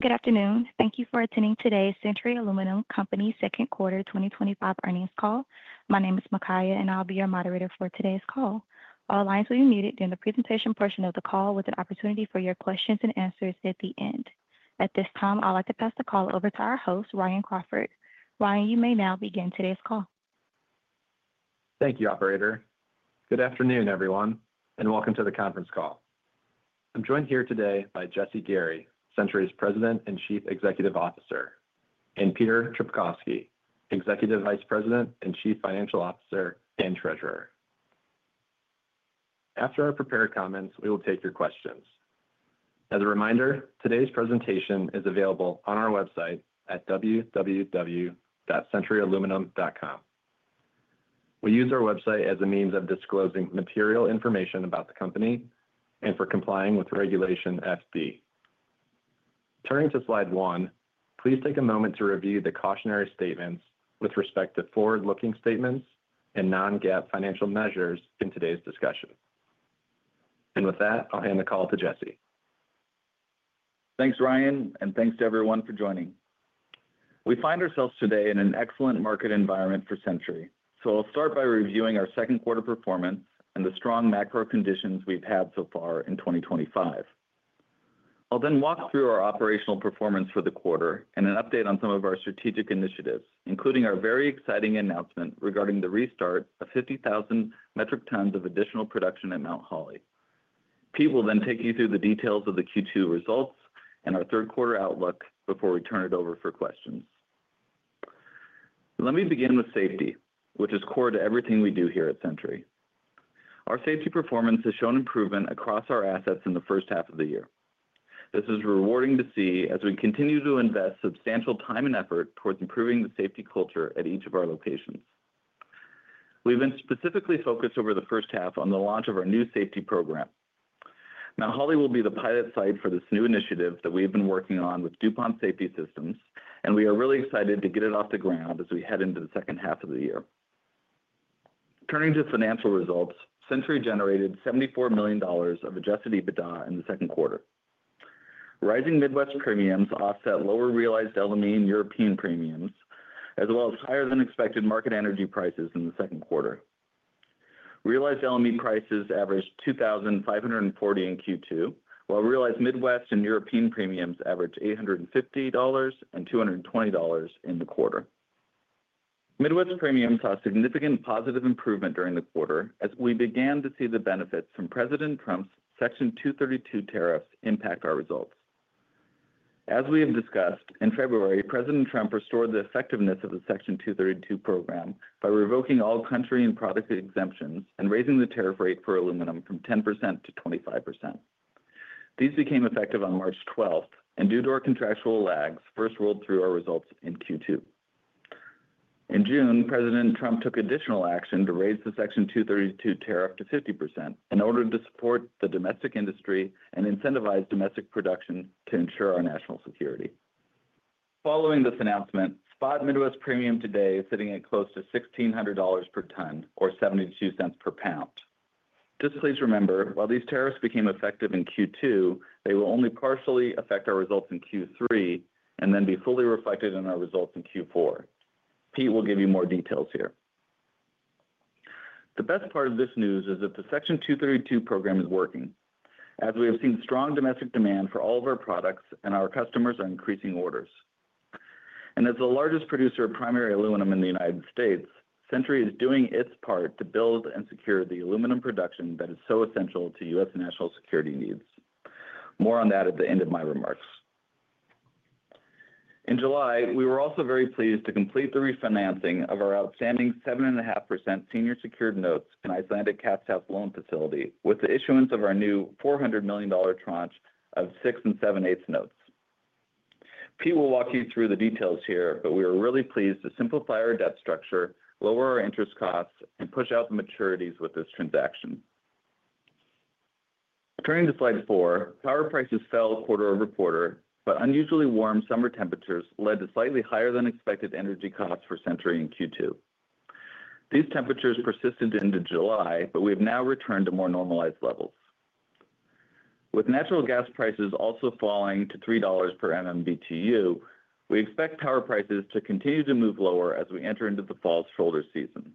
Good afternoon. Thank you for attending today's Century Aluminum Company Second Quarter 2025 Earnings Call. My name is Makaya, and I'll be your moderator for today's call. All lines will be muted during the presentation portion of the call, with an opportunity for your questions and answers at the end. At this time, I'd like to pass the call over to our host, Ryan Crawford. Ryan, you may now begin today's call. Thank you, operator. Good afternoon, everyone, and welcome to the conference call. I'm joined here today by Jesse Gary, Century's President and Chief Executive Officer, and Peter Trpkovski, Executive Vice President and Chief Financial Officer and Treasurer. After our prepared comments, we will take your questions. As a reminder, today's presentation is available on our website at www.centuryaluminum.com. We use our website as a means of disclosing material information about the company and for complying with Regulation XB. Turning to slide one, please take a moment to review the cautionary statements with respect to forward-looking statements and non-GAAP financial measures in today's discussion. With that, I'll hand the call to Jesse. Thanks, Ryan, and thanks to everyone for joining. We find ourselves today in an excellent market environment for Century, so I'll start by reviewing our second quarter performance and the strong macro conditions we've had so far in 2025. I'll then walk through our operational performance for the quarter and an update on some of our strategic initiatives, including our very exciting announcement regarding the restart of 50,000 metric tons of additional production at Mount Holly. Pete will then take you through the details of the Q2 results and our third quarter outlook before we turn it over for questions. Let me begin with safety, which is core to everything we do here at Century. Our safety performance has shown improvement across our assets in the first half of the year. This is rewarding to see as we continue to invest substantial time and effort towards improving the safety culture at each of our locations. We've been specifically focused over the first half on the launch of our new safety program. Mount Holly will be the pilot site for this new initiative that we've been working on with DuPont Safety Systems, and we are really excited to get it off the ground as we head into the second half of the year. Turning to financial results, Century generated $74 million of adjusted EBITDA in the second quarter. Rising Midwest premiums offset lower realized LME and European premiums, as well as higher than expected market energy prices in the second quarter. Realized LME prices averaged $2,540 in Q2, while realized Midwest and European premiums averaged $850 and $220 in the quarter. Midwest premiums saw significant positive improvement during the quarter as we began to see the benefits from President Trump's Section 232 tariffs impact our results. As we have discussed, in February, President Trump restored the effectiveness of the Section 232 program by revoking all country and product exemptions and raising the tariff rate for aluminum from 10% to 25%. These became effective on March 12, and due to our contractual lags, first rolled through our results in Q2. In June, President Trump took additional action to raise the Section 232 tariff to 50% in order to support the domestic industry and incentivize domestic production to ensure our national security. Following this announcement, spot Midwest premium today is sitting at close to $1,600 per ton or $0.72 per pound. Just please remember, while these tariffs became effective in Q2, they will only partially affect our results in Q3 and then be fully reflected in our results in Q4. Pete will give you more details here. The best part of this news is that the Section 232 program is working, as we have seen strong domestic demand for all of our products and our customers are increasing orders. As the largest producer of primary aluminum in the U.S., Century Aluminum Company is doing its part to build and secure the aluminum production that is so essential to U.S. national security needs. More on that at the end of my remarks. In July, we were also very pleased to complete the refinancing of our outstanding 7.5% senior secured notes and Icelandic Catstaff Loan Facility with the issuance of our new $400 million tranche of six and seven eighths notes. Pete will walk you through the details here, but we are really pleased to simplify our debt structure, lower our interest costs, and push out the maturities with this transaction. Turning to slide four, power prices fell quarter over quarter, but unusually warm summer temperatures led to slightly higher than expected energy costs for Century in Q2. These temperatures persisted into July, but we have now returned to more normalized levels. With natural gas prices also falling to $3 per MMBtu, we expect power prices to continue to move lower as we enter into the fall's shoulder season.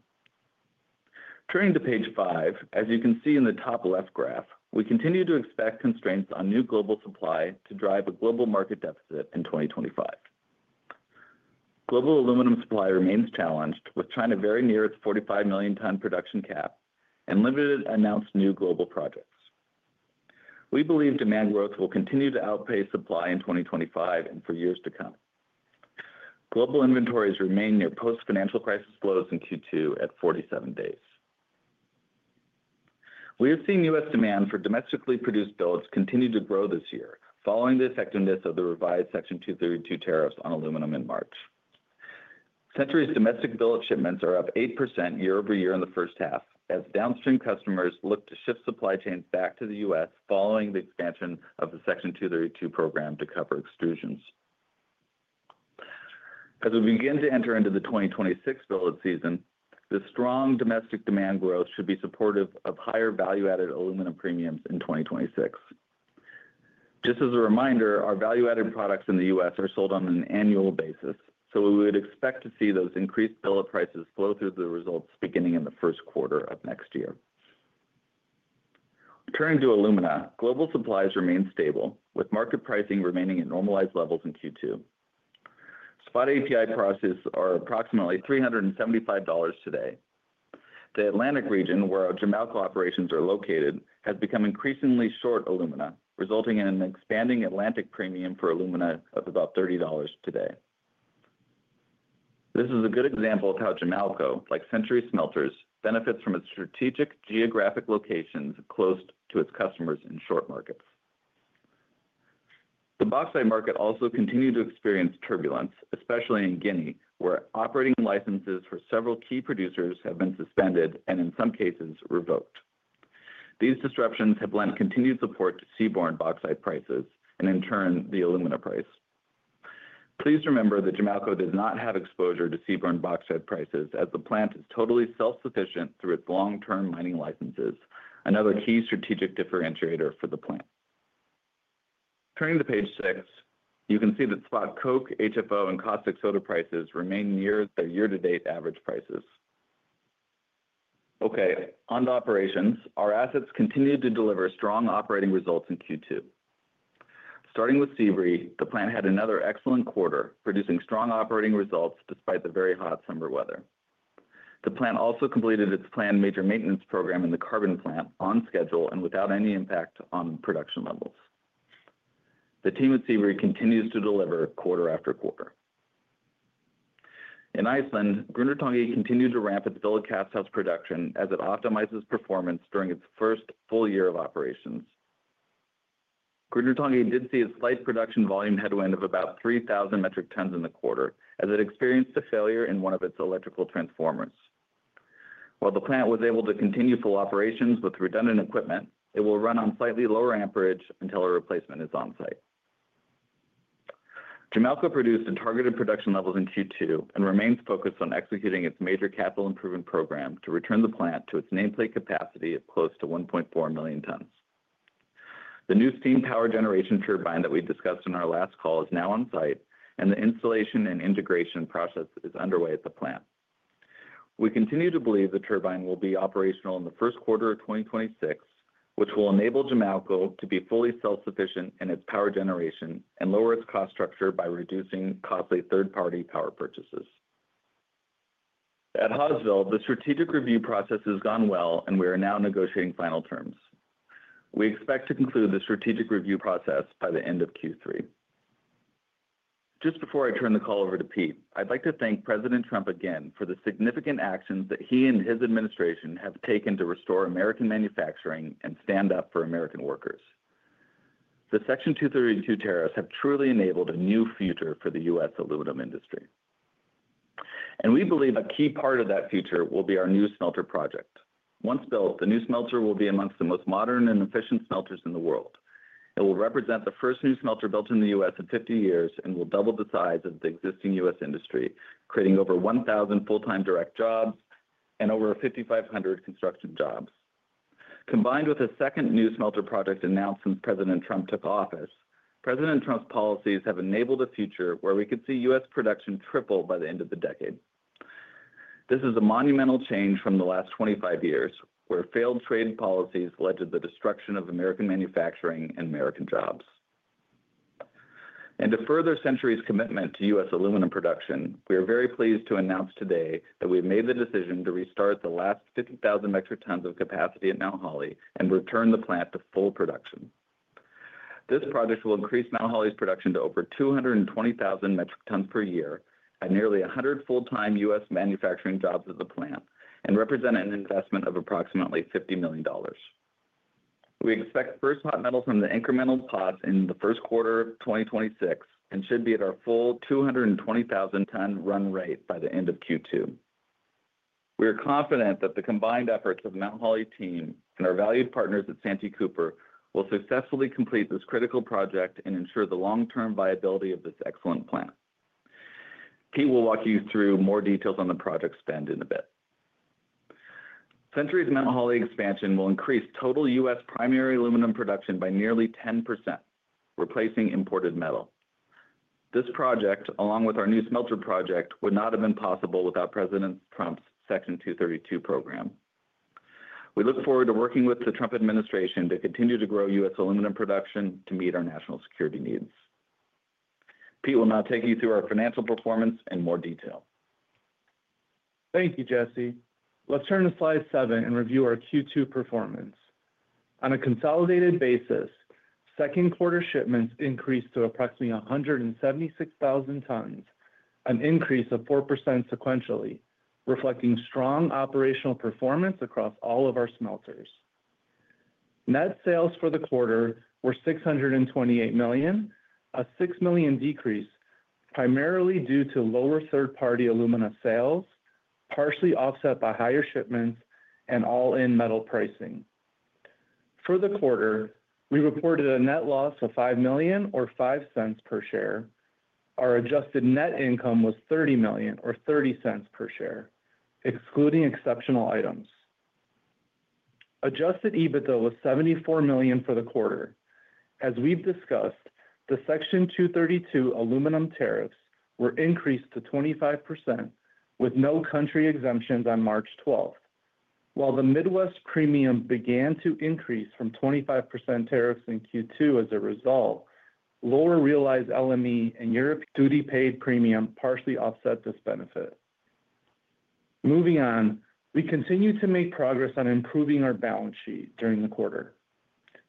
Turning to page five, as you can see in the top left graph, we continue to expect constraints on new global supply to drive a global market deficit in 2025. Global aluminum supply remains challenged, with China very near its 45 million ton production cap and limited announced new global projects. We believe demand growth will continue to outpace supply in 2025 and for years to come. Global inventories remain near post-financial crisis lows in Q2 at 47 days. We are seeing U.S. demand for domestically produced billets continue to grow this year, following the effectiveness of the revised Section 232 tariffs on aluminum in March. Century's domestic billet shipments are up 8% year over year in the first half, as downstream customers look to shift supply chains back to the U.S. following the expansion of the Section 232 program to cover extrusions. As we begin to enter into the 2026 billet season, the strong domestic demand growth should be supportive of higher value-added aluminum premiums in 2026. Just as a reminder, our value-added products in the U.S. are sold on an annual basis, so we would expect to see those increased billet prices flow through the results beginning in the first quarter of next year. Turning to alumina, global supplies remain stable, with market pricing remaining at normalized levels in Q2. Spot API prices are approximately $375 today. The Atlantic region, where our Jamalco operations are located, has become increasingly short alumina, resulting in an expanding Atlantic premium for alumina of about $30 today. This is a good example of how Jamalco, like Century smelters benefits from its strategic geographic locations close to its customers in short markets. The bauxite market also continued to experience turbulence, especially in Guinea, where operating licenses for several key producers have been suspended and in some cases revoked. These disruptions have lent continued support to seaborne bauxite prices and in turn the alumina price. Please remember that Jamalco does not have exposure to seaborne bauxite prices as the plant is totally self-sufficient through its long-term mining licenses, another key strategic differentiator for the plant. Turning to page six, you can see that spot coke, HFO, and caustic soda prices remain near their year-to-date average prices. On to operations. Our assets continue to deliver strong operating results in Q2. Starting with Sebree, the plant had another excellent quarter, producing strong operating results despite the very hot summer weather. The plant also completed its planned major maintenance program in the carbon plant on schedule and without any impact on production levels. The team at Sebree continues to deliver quarter after quarter. In Iceland, Grundartangi continued to ramp its billet casthouse production as it optimizes performance during its first full year of operations. Grundartangi did see a slight production volume headwind of about 3,000 metric tons in the quarter as it experienced a failure in one of its electrical transformers. While the plant was able to continue full operations with redundant equipment, it will run on slightly lower amperage until a replacement is on site. Jamalco produced in targeted production levels in Q2 and remains focused on executing its major capital improvement program to return the plant to its nameplate capacity at close to 1.4 million tons. The new steam power generation turbine that we discussed in our last call is now on site, and the installation and integration process is underway at the plant. We continue to believe the turbine will be operational in the first quarter of 2026, which will enable Jamalco to be fully self-sufficient in its power generation and lower its cost structure by reducing costly third-party power purchases. At Hawesville, the strategic review process has gone well, and we are now negotiating final terms. We expect to conclude the strategic review process by the end of Q3. Just before I turn the call over to Pete, I'd like to thank President Trump again for the significant actions that he and his administration have taken to restore American manufacturing and stand up for American workers. The Section 232 tariffs have truly enabled a new future for the U.S. aluminum industry. We believe a key part of that future will be our new smelter project. Once built, the new smelter will be amongst the most modern and efficient smelters in the world. It will represent the first new smelter built in the U.S. in 50 years and will double the size of the existing U.S. industry, creating over 1,000 full-time direct jobs and over 5,500 construction jobs. Combined with a second new smelter project announced since President Trump took office, President Trump's policies have enabled a future where we could see U.S. production triple by the end of the decade. This is a monumental change from the last 25 years, where failed trading policies led to the destruction of American manufacturing and American jobs. To further Century's commitment to U.S. aluminum production, we are very pleased to announce today that we have made the decision to restart the last 50,000 metric tons of capacity at Mount Holly and return the plant to full production. This project will increase Mount Holly's production to over 220,000 metric tons per year and nearly 100 full-time U.S. manufacturing jobs at the plant and represent an investment of approximately $50 million. We expect first hot metal from the incremental pot in the first quarter of 2026 and should be at our full 220,000 ton run rate by the end of Q2. We are confident that the combined efforts of the Mount Holly team and our valued partners at Santee Cooper will successfully complete this critical project and ensure the long-term viability of this excellent plant. Pete will walk you through more details on the project spend in a bit. Century's Mount Holly expansion will increase total U.S. primary aluminum production by nearly 10%, replacing imported metal. This project, along with our new smelter project, would not have been possible without President Trump's Section 232 program. We look forward to working with the Trump administration to continue to grow U.S. aluminum production to meet our national security needs. Pete will now take you through our financial performance in more detail. Thank you, Jesse. Let's turn to slide seven and review our Q2 performance. On a consolidated basis, second quarter shipments increased to approximately 176,000 tons, an increase of 4% sequentially, reflecting strong operational performance across all of our smelters. Net sales for the quarter were $628 million, a $6 million decrease primarily due to lower third-party alumina sales, partially offset by higher shipments and all-in metal pricing. For the quarter, we reported a net loss of $5 million or $0.05 per share. Our adjusted net income was $30 million or $0.30 per share, excluding exceptional items. Adjusted EBITDA was $74 million for the quarter. As we've discussed, the Section 232 aluminum tariffs were increased to 25% with no country exemptions on March 12. While the U.S. Midwest premium began to increase from 25% tariffs in Q2 as a result, lower realized LME and European duty paid premium partially offset this benefit. Moving on, we continue to make progress on improving our balance sheet during the quarter.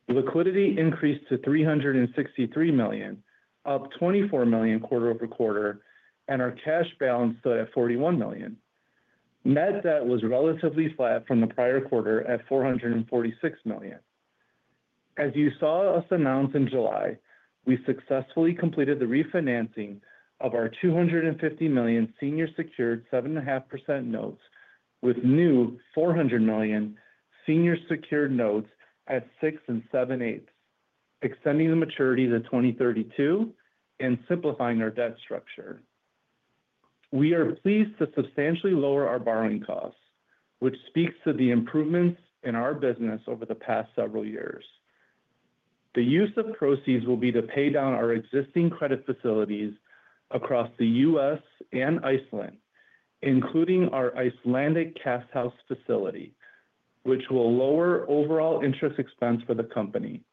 Liquidity increased to $363 million, up $24 million quarter over quarter, and our cash balance stood at $41 million. Net debt was relatively flat from the prior quarter at $446 million. As you saw us announce in July, we successfully completed the refinancing of our $250 million senior secured 7.5% notes with new $400 million senior secured notes at six and seven eighths, extending the maturity to 2032 and simplifying our debt structure. We are pleased to substantially lower our borrowing costs, which speaks to the improvements in our business over the past several years. The use of proceeds will be to pay down our existing credit facilities across the U.S. and Iceland, including our Icelandic casthouse facility, which will lower overall interest expense for the company.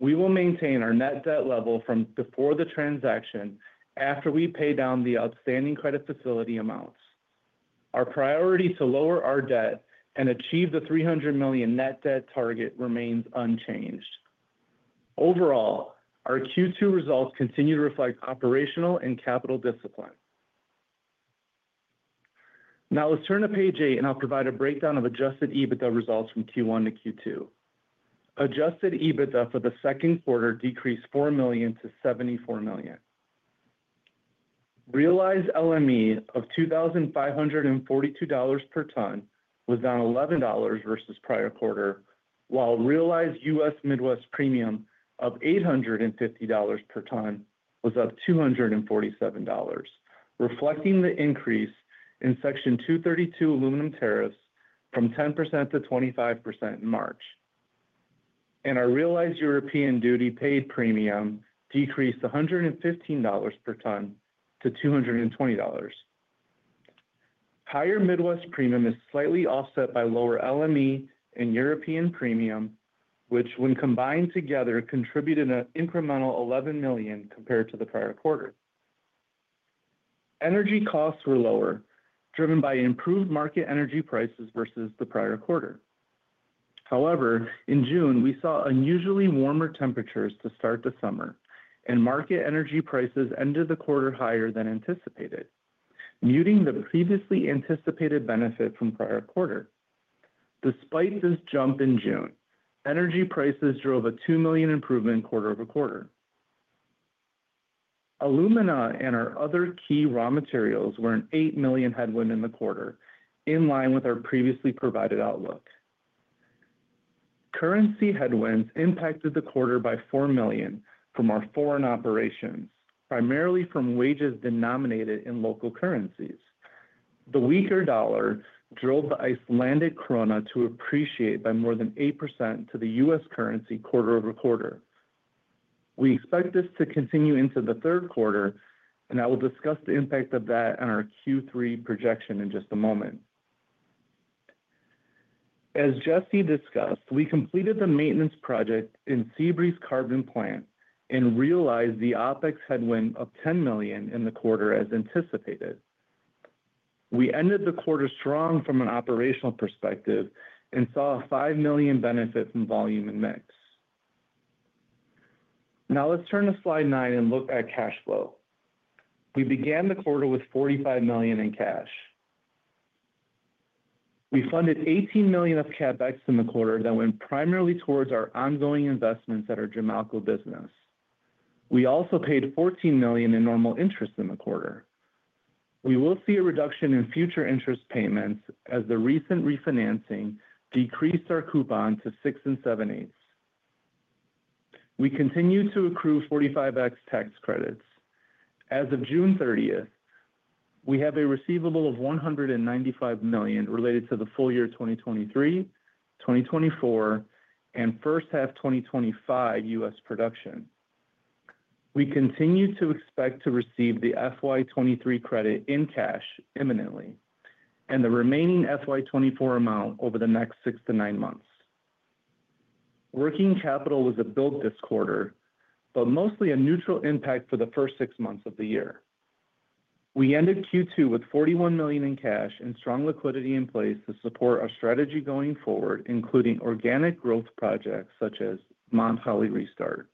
We will maintain our net debt level from before the transaction after we pay down the outstanding credit facility amounts. Our priority to lower our debt and achieve the $300 million net debt target remains unchanged. Overall, our Q2 results continue to reflect operational and capital discipline. Now let's turn to page eight, and I'll provide a breakdown of adjusted EBITDA results from Q1 to Q2. Adjusted EBITDA for the second quarter decreased $4 million to $74 million. Realized LME of $2,542 per ton was down $11 versus prior quarter, while realized U.S. Midwest premium of $850 per ton was up $247, reflecting the increase in Section 232 aluminum tariffs from 10% to 25% in March. Our realized European duty paid premium decreased $115 per ton to $220. Higher Midwest premium is slightly offset by lower LME and European premium, which when combined together contributed an incremental $11 million compared to the prior quarter. Energy costs were lower, driven by improved market energy prices versus the prior quarter. However, in June, we saw unusually warmer temperatures to start the summer, and market energy prices ended the quarter higher than anticipated, muting the previously anticipated benefit from prior quarter. Despite this jump in June, energy prices drove a $2 million improvement quarter over quarter. Alumina and our other key raw materials were an $8 million headwind in the quarter, in line with our previously provided outlook. Currency headwinds impacted the quarter by $4 million from our foreign operations, primarily from wages denominated in local currencies. The weaker dollar drove the Icelandic krona to appreciate by more than 8% to the U.S. currency quarter over quarter. We expect this to continue into the third quarter, and I will discuss the impact of that on our Q3 projection in just a moment. As Jesse discussed, we completed the maintenance project in Sebree's carbon plant and realized the OpEx headwind of $10 million in the quarter as anticipated. We ended the quarter strong from an operational perspective and saw a $5 million benefit from volume and mix. Now let's turn to slide nine and look at cash flow. We began the quarter with $45 million in cash. We funded $18 million of CapEx in the quarter that went primarily towards our ongoing investments at our Jamalco business. We also paid $14 million in normal interest in the quarter. We will see a reduction in future interest payments as the recent refinancing decreased our coupon to 6.875%. We continue to accrue 45X tax credits. As of June 30, we have a receivable of $195 million related to the full year 2023, 2024, and first half 2025 U.S. production. We continue to expect to receive the FY2023 credit in cash imminently and the remaining FY2024 amount over the next 6-9 months. Working capital was a build this quarter, but mostly a neutral impact for the first six months of the year. We ended Q2 with $41 million in cash and strong liquidity in place to support our strategy going forward, including organic growth projects such as Mount Holly restart.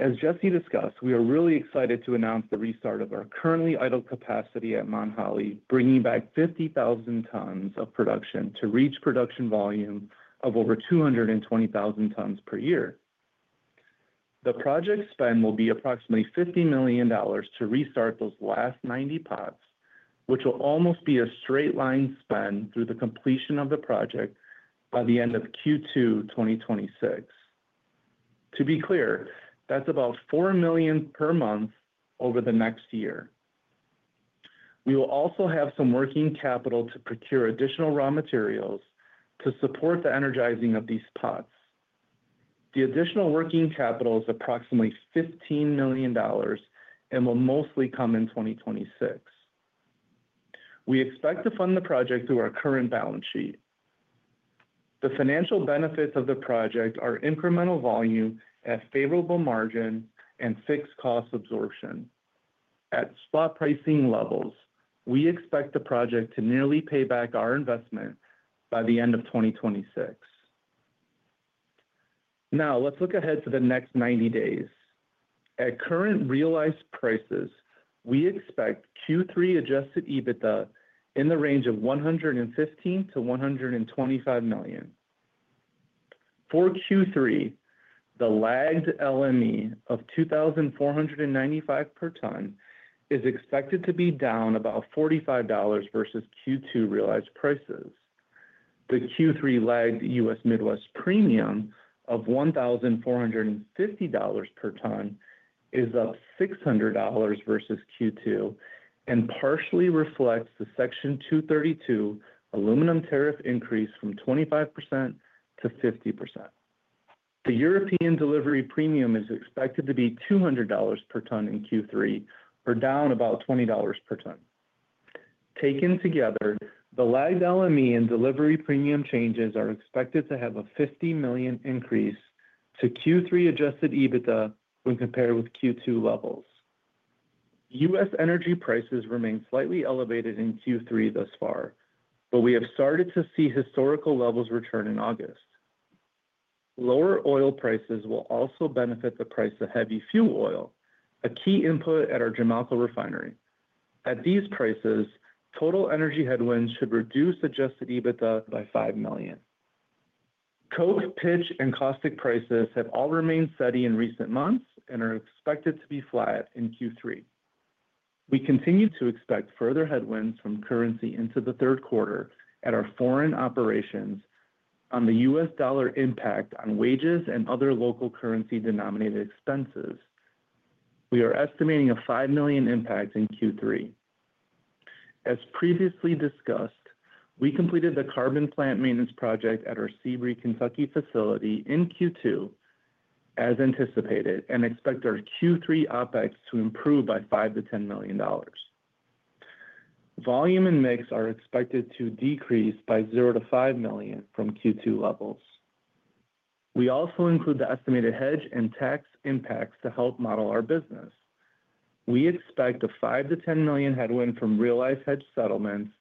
As Jesse discussed, we are really excited to announce the restart of our currently idle capacity at Mount Holly, bringing back 50,000 tons of production to reach production volume of over 220,000 tons per year. The project spend will be approximately $50 million to restart those last 90 pots, which will almost be a straight line spend through the completion of the project by the end of Q2 2026. To be clear, that's about $4 million per month over the next year. We will also have some working capital to procure additional raw materials to support the energizing of these pots. The additional working capital is approximately $15 million and will mostly come in 2026. We expect to fund the project through our current balance sheet. The financial benefits of the project are incremental volume at favorable margin and fixed cost absorption. At spot pricing levels, we expect the project to nearly pay back our investment by the end of 2026. Now let's look ahead for the next 90 days. At current realized prices, we expect Q3 adjusted EBITDA in the range of $115-$125 million. For Q3, the lagged LME of $2,495 per ton is expected to be down about $45 versus Q2 realized prices. The Q3 lagged U.S. Midwest premium of $1,450 per ton is up $600 versus Q2 and partially reflects the Section 232 aluminum tariff increase from 25% to 50%. The European delivery premium is expected to be $200 per ton in Q3, or down about $20 per ton. Taken together, the lagged LME and delivery premium changes are expected to have a $50 million increase to Q3 adjusted EBITDA when compared with Q2 levels. U.S. energy prices remain slightly elevated in Q3 thus far, but we have started to see historical levels return in August. Lower oil prices will also benefit the price of heavy fuel oil, a key input at our Jamalco refinery. At these prices, total energy headwinds should reduce adjusted EBITDA by $5 million. Coke's pitch and caustic prices have all remained steady in recent months and are expected to be flat in Q3. We continue to expect further headwinds from currency into the third quarter at our foreign operations on the U.S. dollar impact on wages and other local currency denominated expenses. We are estimating a $5 million impact in Q3. As previously discussed, we completed the carbon plant maintenance project at our Sebree, Kentucky facility in Q2 as anticipated and expect our Q3 OpEx to improve by $5-$10 million. Volume and mix are expected to decrease by $0-$5 million from Q2 levels. We also include the estimated hedge and tax impacts to help model our business. We expect a $5-$10 million headwind from realized hedge settlements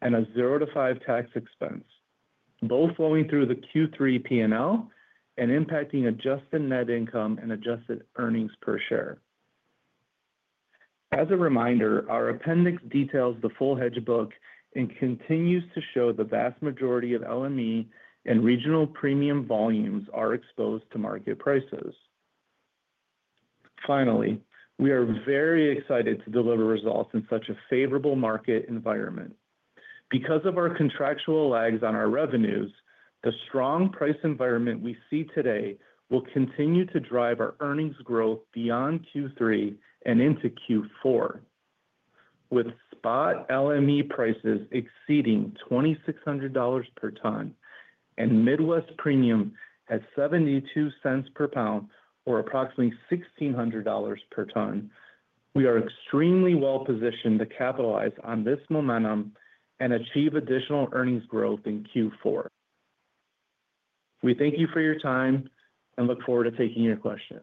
and a $0-$5 million tax expense, both flowing through the Q3 P&L and impacting adjusted net income and adjusted earnings per share. As a reminder, our appendix details the full hedge book and continues to show the vast majority of LME and regional premium volumes are exposed to market prices. Finally, we are very excited to deliver results in such a favorable market environment. Because of our contractual lags on our revenues, the strong price environment we see today will continue to drive our earnings growth beyond Q3 and into Q4. With spot LME prices exceeding $2,600 per ton and Midwest premium at $0.72 per pound, or approximately $1,600 per ton, we are extremely well positioned to capitalize on this momentum and achieve additional earnings growth in Q4. We thank you for your time and look forward to taking your questions.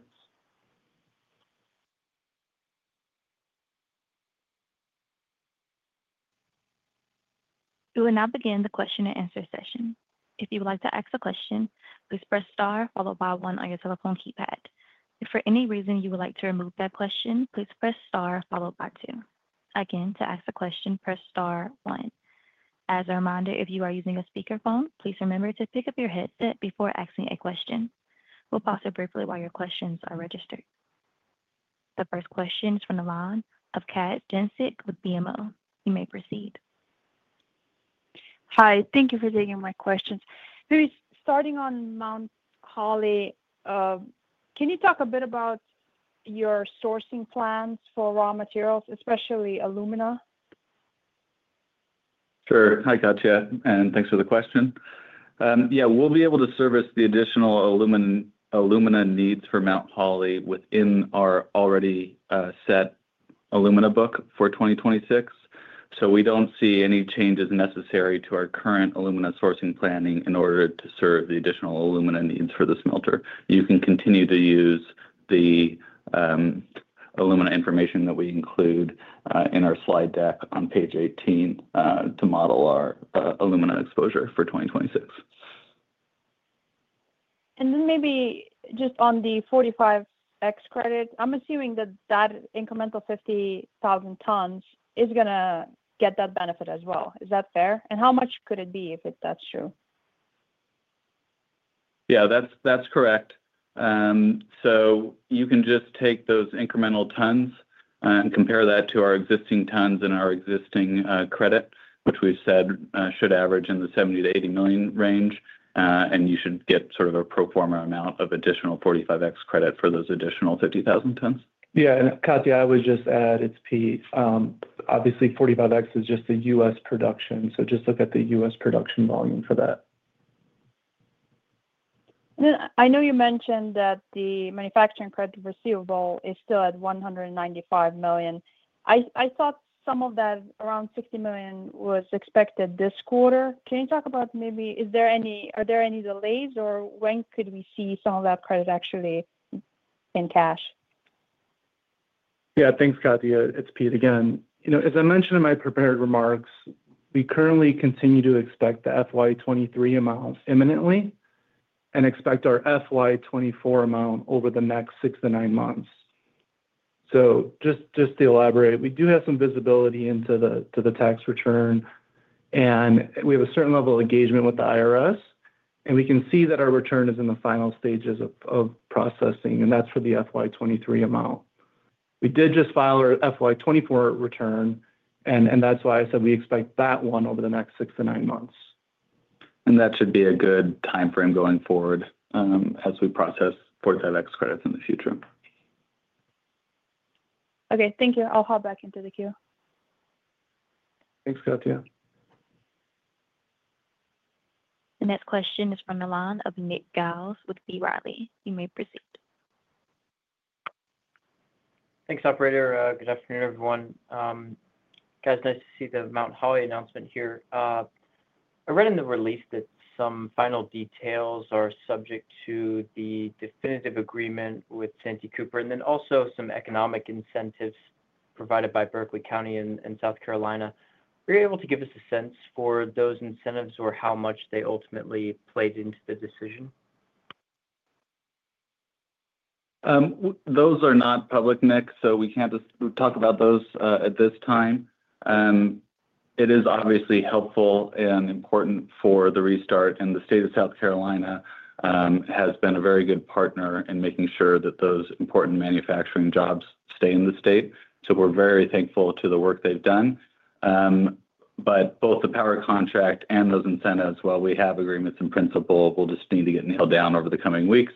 We will now begin the question and answer session. If you would like to ask a question, please press star followed by one on your telephone keypad. If for any reason you would like to remove that question, please press star followed by two. Again, to ask a question, press star one. As a reminder, if you are using a speakerphone, please remember to pick up your headset before asking a question. We'll pause briefly while your questions are registered. The first question is from the line of Katja Jancic with BMO. You may proceed. Hi. Thank you for taking my questions. Maybe starting on Mount Holly, can you talk a bit about your sourcing plans for raw materials, especially alumina? Sure. Hi, Katja, and thanks for the question. Yeah, we'll be able to service the additional alumina needs for Mount Holly within our already set alumina book for 2026. We don't see any changes necessary to our current alumina sourcing planning in order to serve the additional alumina needs for the smelter. You can continue to use the alumina information that we include in our slide deck on page 18 to model our alumina exposure for 2026. Maybe just on the 45X credit, I'm assuming that incremental 50,000 tons is going to get that benefit as well. Is that fair? How much could it be if that's true? Yeah, that's correct. You can just take those incremental tons and compare that to our existing tons in our existing credit, which we've said should average in the $70 million-$80 million range. You should get sort of a pro forma amount of additional 45X credit for those additional 50,000 tons. Yeah, and Katja, I would just add it's Peter. Obviously, 45X is just the U.S. production. Just look at the U.S. production volume for that. I know you mentioned that the manufacturing credit receivable is still at $195 million. I thought some of that, around $60 million, was expected this quarter. Can you talk about maybe is there any, are there any delays, or when could we see some of that credit actually in cash? Yeah, thanks, Katja. It's Pete again. As I mentioned in my prepared remarks, we currently continue to expect the FY2023 amount imminently and expect our FY2024 amount over the next 6-9 months. Just to elaborate, we do have some visibility into the tax return, and we have a certain level of engagement with the IRS, and we can see that our return is in the final stages of processing, and that's for the FY2023 amount. We did just file our FY2024 return, and that's why I said we expect that one over the next 6-9 months. That should be a good timeframe going forward as we process 45X credits in the future. Okay, thank you. I'll hop back into the queue. Thanks, Katja. The next question is from the line of Nick Giles with B. Riley. You may proceed. Thanks, operator. Good afternoon, everyone. Nice to see the Mount Holly announcement here. I read in the release that some final details are subject to the definitive agreement with Santee Cooper and also some economic incentives provided by Berkeley County and South Carolina. Are you able to give us a sense for those incentives or how much they ultimately played into the decision? Those are not public, Nick, so we can't talk about those at this time. It is obviously helpful and important for the restart, and the state of South Carolina has been a very good partner in making sure that those important manufacturing jobs stay in the state. We're very thankful to the work they've done. Both the power contract and those incentives, while we have agreements in principle, will just need to get nailed down over the coming weeks.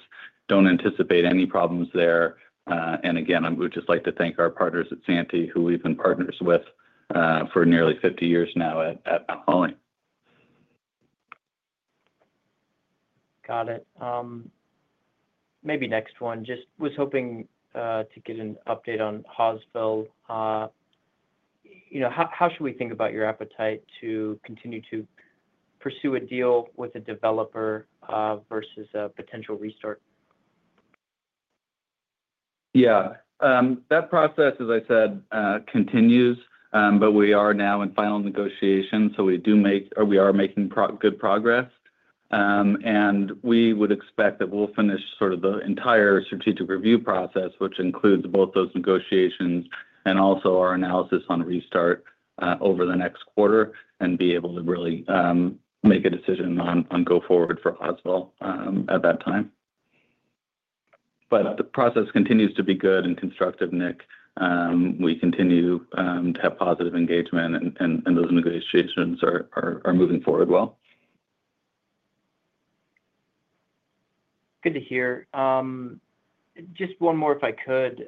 I don't anticipate any problems there. I would just like to thank our partners at Santee Cooper, who we've been partners with for nearly 50 years now at Mount Holly. Got it. Maybe next one, just was hoping to get an update on Hawesville. You know, how should we think about your appetite to continue to pursue a deal with a developer versus a potential restart? Yeah, that process, as I said, continues, but we are now in final negotiations, so we do make, or we are making good progress. We would expect that we'll finish sort of the entire strategic review process, which includes both those negotiations and also our analysis on restart over the next quarter and be able to really make a decision on go forward for Hawesville at that time. The process continues to be good and constructive, Nick. We continue to have positive engagement, and those negotiations are moving forward well. Good to hear. Just one more, if I could,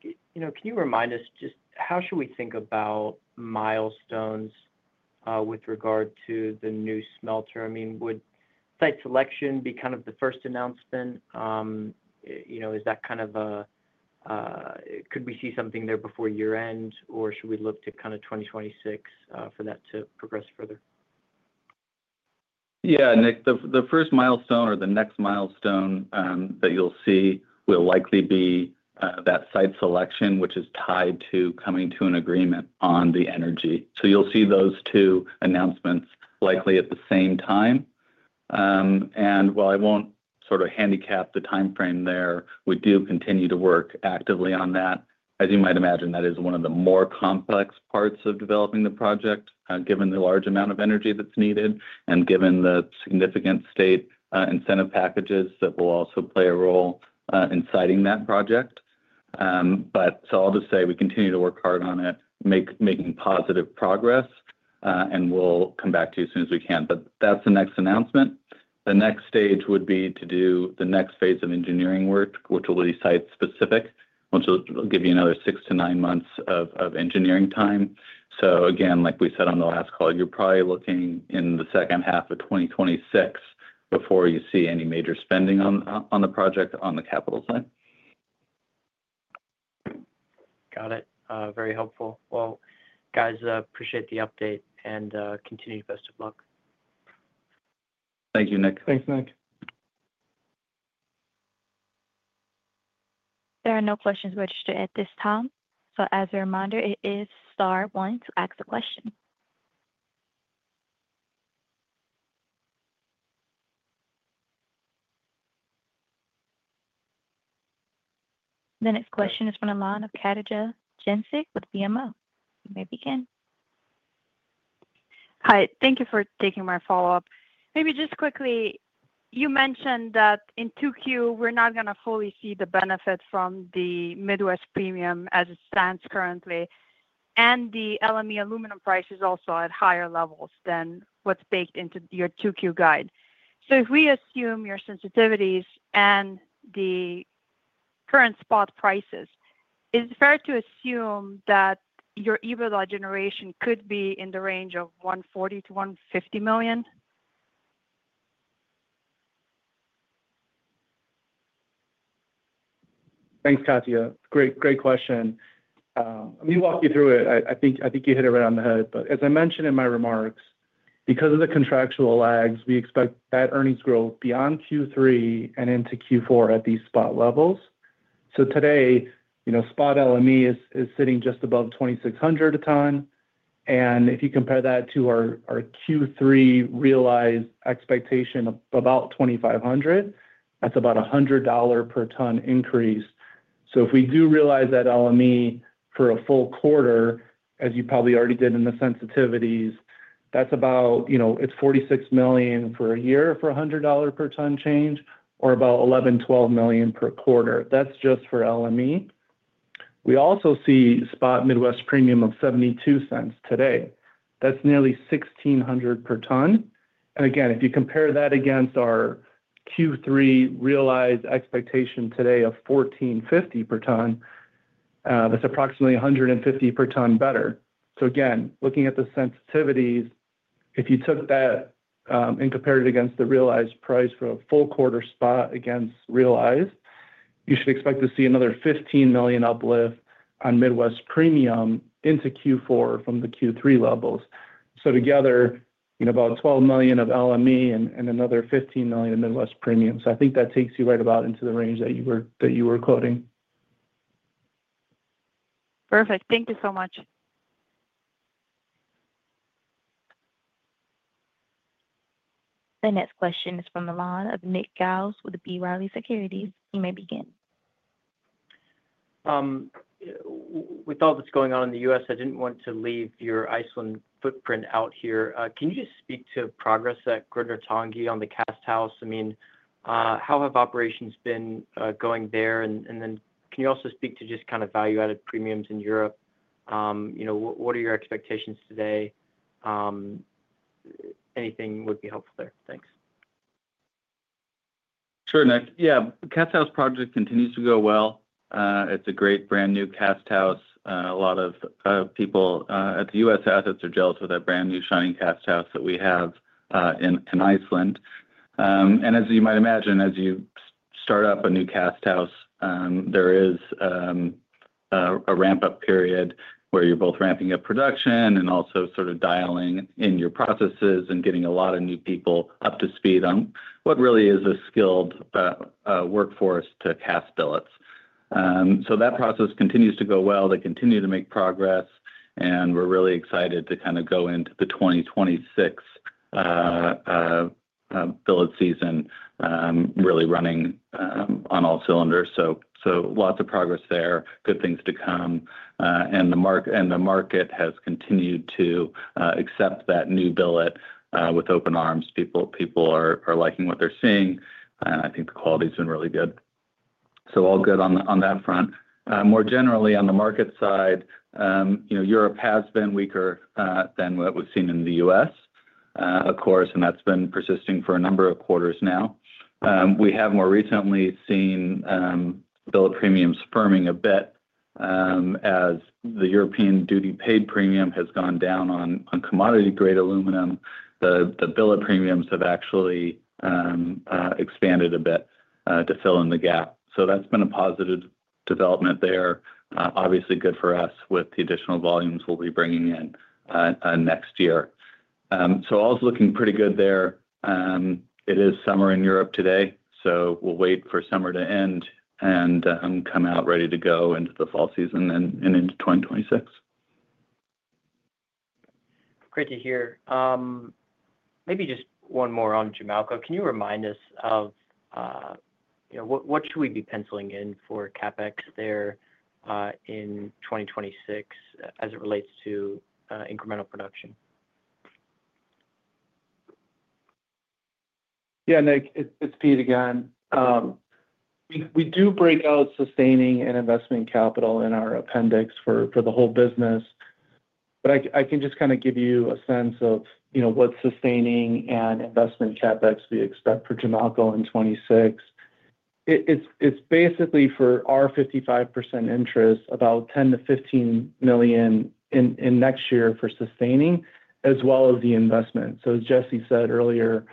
can you remind us just how should we think about milestones with regard to the new smelter? I mean, would site selection be kind of the first announcement? Is that kind of a, could we see something there before year end, or should we look to 2026 for that to progress further? Yeah, Nick, the first milestone or the next milestone that you'll see will likely be that site selection, which is tied to coming to an agreement on the energy. You'll see those two announcements likely at the same time. While I won't sort of handicap the timeframe there, we do continue to work actively on that. As you might imagine, that is one of the more complex parts of developing the project, given the large amount of energy that's needed and given the significant state incentive packages that will also play a role in siting that project. I'll just say we continue to work hard on it, making positive progress, and we'll come back to you as soon as we can. That's the next announcement. The next stage would be to do the next phase of engineering work, which will be site specific, which will give you another six to nine months of engineering time. Like we said on the last call, you're probably looking in the second half of 2026 before you see any major spending on the project on the capital side. Got it. Very helpful. I appreciate the update and continue the best of luck. Thank you, Nick. Thanks, Nick. There are no questions registered at this time. As a reminder, it is star one to ask a question. The next question is from the line of Katja Jancic with BMO. You may begin. Hi. Thank you for taking my follow-up. Maybe just quickly, you mentioned that in 2Q, we're not going to fully see the benefit from the U.S. Midwest aluminum premiums as it stands currently, and the LME aluminum price is also at higher levels than what's baked into your 2Q guide. If we assume your sensitivities and the current spot prices, is it fair to assume that your EBITDA generation could be in the range of $140-$150 million? Thanks, Katja. Great question. Let me walk you through it. I think you hit it right on the head. As I mentioned in my remarks, because of the contractual lags, we expect that earnings growth beyond Q3 and into Q4 at these spot levels. Today, you know, spot LME is sitting just above $2,600 a ton. If you compare that to our Q3 realized expectation of about $2,500, that's about a $100 per ton increase. If we do realize that LME for a full quarter, as you probably already did in the sensitivities, that's about, you know, it's $46 million for a year for a $100 per ton change or about $11-$12 million per quarter. That's just for LME. We also see spot Midwest premium of $0.72 today. That's nearly $1,600 per ton. If you compare that against our Q3 realized expectation today of $1,450 per ton, that's approximately $150 per ton better. Looking at the sensitivities, if you took that and compared it against the realized price for a full quarter spot against realized, you should expect to see another $15 million uplift on Midwest premium into Q4 from the Q3 levels. Together, you know, about $12 million of LME and another $15 million of Midwest premium. I think that takes you right about into the range that you were quoting. Perfect. Thank you so much. The next question is from the line of Nick Giles with B. Riley Securities. You may begin. With all that's going on in the U.S., I didn't want to leave your Iceland footprint out here. Can you just speak to progress at Grundartangi on the billet casthouse? I mean, how have operations been going there? Can you also speak to just kind of value-added premiums in Europe? You know, what are your expectations today? Anything would be helpful there. Thanks. Sure, Nick. Yeah, casthouse project continues to go well. It's a great brand new casthouse. A lot of people at the U.S. assets are gelled with that brand new shining casthouse that we have in Iceland. As you might imagine, as you start up a new casthouse, there is a ramp-up period where you're both ramping up production and also sort of dialing in your processes and getting a lot of new people up to speed on what really is a skilled workforce to cast billets. That process continues to go well. They continue to make progress, and we're really excited to kind of go into the 2026 billet season, really running on all cylinders. Lots of progress there, good things to come. The market has continued to accept that new billet with open arms. People are liking what they're seeing, and I think the quality has been really good. All good on that front. More generally, on the market side, you know, Europe has been weaker than what we've seen in the U.S., of course, and that's been persisting for a number of quarters now. We have more recently seen billet premiums firming a bit as the European duty paid premium has gone down on commodity-grade aluminum. The billet premiums have actually expanded a bit to fill in the gap. That's been a positive development there. Obviously, good for us with the additional volumes we'll be bringing in next year. All is looking pretty good there. It is summer in Europe today, so we'll wait for summer to end and come out ready to go into the fall season and into 2026. Great to hear. Maybe just one more on Jamalco. Can you remind us of what should we be penciling in for CapEx there in 2026 as it relates to incremental production? Yeah, Nick, it's Pete again. We do break out sustaining and investment capital in our appendix for the whole business. I can just kind of give you a sense of what sustaining and investment CapEx we expect for Jamalco in 2026. It's basically for our 55% interest, about $10-$15 million next year for sustaining, as well as the investment. As Jesse said earlier,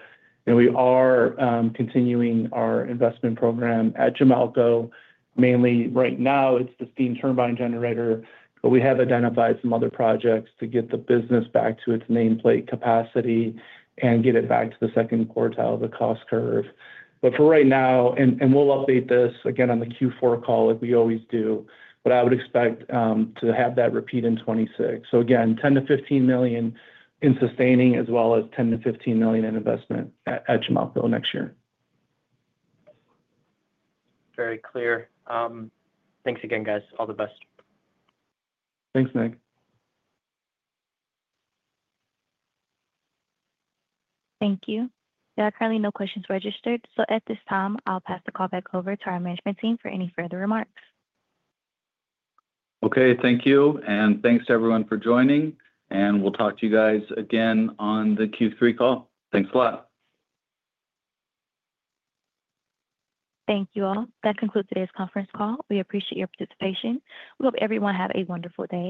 we are continuing our investment program at Jamalco. Mainly right now, it's the steam turbine generator, but we have identified some other projects to get the business back to its nameplate capacity and get it back to the second quartile of the cost curve. For right now, we'll update this again on the Q4 call, like we always do. I would expect to have that repeat in 2026. Again, $10 to $15 million in sustaining, as well as $10-$15 million in investment at Jamalco next year. Very clear. Thanks again, guys. All the best. Thanks, Nick. Thank you. There are currently no questions registered. At this time, I'll pass the call back over to our management team for any further remarks. Okay, thank you. Thanks to everyone for joining. We'll talk to you guys again on the Q3 call. Thanks a lot. Thank you all. That concludes today's conference call. We appreciate your participation. We hope everyone has a wonderful day.